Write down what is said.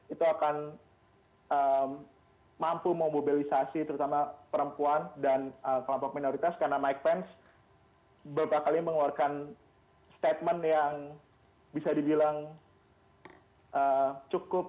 itu akan mampu memobilisasi terutama perempuan dan kelompok minoritas karena mike pence beberapa kali mengeluarkan statement yang bisa dibilang cukup